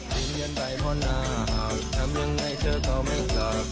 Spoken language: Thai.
เพื่อนกันไปพอหน้าหาวทำยังไงเธอก็ไม่ตาก